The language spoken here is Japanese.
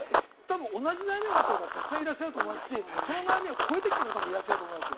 同じ悩みを持ってる方たくさんいらっしゃると思いますし、その悩みを超えてきた方もいらっしゃると思います。